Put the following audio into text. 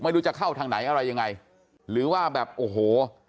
ไม่รู้จะเข้าทางไหนอะไรยังไงหรือว่าแบบโอ้โห